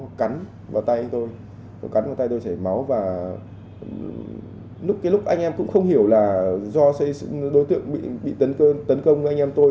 nó cắn vào tay tôi nó cắn vào tay tôi chảy máu và lúc cái lúc anh em cũng không hiểu là do đối tượng bị tấn công anh em tôi